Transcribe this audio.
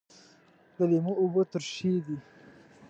د لیمو اوبه ترشی وي